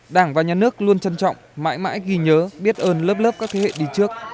đảng và nhà nước luôn trân trọng mãi mãi ghi nhớ biết ơn lớp lớp các thế hệ đi trước